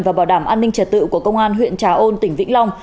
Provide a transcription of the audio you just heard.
và bảo đảm an ninh trật tự của công an huyện trà ôn tỉnh vĩnh long